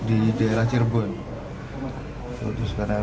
karena memang ada kendaraan yang ambil kanan dan kita tidak sempat menghindar